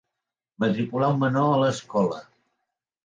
Matricular un menor a l'escola.